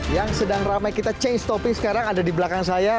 yang sedang ramai kita chance topic sekarang ada di belakang saya